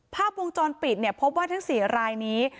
ภาพวงจรปิดเนี่ยพบว่าทั้ง๔รายนี้